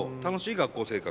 学校生活。